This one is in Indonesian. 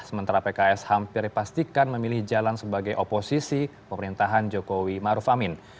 sementara pks hampir dipastikan memilih jalan sebagai oposisi pemerintahan jokowi maruf amin